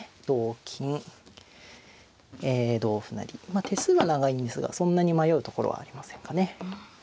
まあ手数は長いんですがそんなに迷うところはありませんかね。